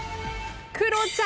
クロちゃん